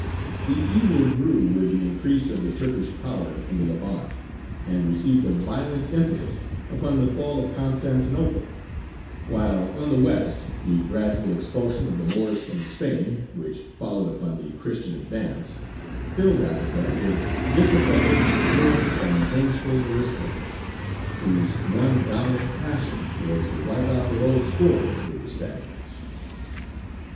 The evil grew with the increase of the Turkish power in the Levant, and received a violent impetus upon the fall of Constantinople; while on the west, the gradual expulsion of the Moors from Spain which followed upon the Christian advance filled Africa with disaffected, ruined, and vengeful Moriscos, whose one dominant passion was to wipe out their old scores with the Spaniards.